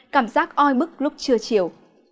cảm giác oi bức lúc trưa chiều